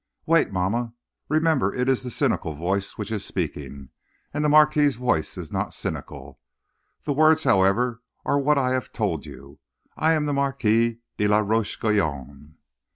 "Wait, mamma; remember it is the cynical voice which is speaking, and the marquis's voice is not cynical. The words, however, are what I have told you; 'I am the Marquis de la Roche Guyon.'